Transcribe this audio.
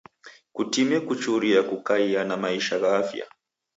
Kutime kuchuria kukaia na maisha gha afya.